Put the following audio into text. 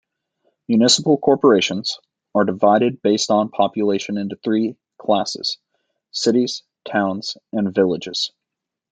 Municipal corporations are divided based on population into three classes: cities, towns, and villages.